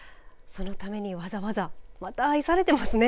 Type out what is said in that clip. そのために、わざわざまた愛されていますね。